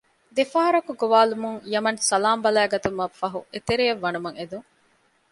ދެފަހަރަކު ގޮވާލުމުން ޔަމަން ސަލާމް ބަލައިގަތުމަށް ފަހު އެތެރެއަށް ވަނުމަށް އެދުން